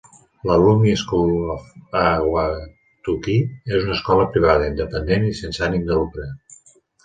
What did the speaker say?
La Summit School of Ahwatukee és una escola privada, independent i sense ànim de lucre.